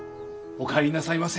お帰りなさいませ。